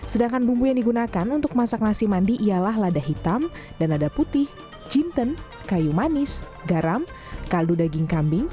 sedangkan bumbu yang digunakan untuk masak nasi mandi ialah lada hitam dan lada putih jinten kayu manis garam kaldu daging kambing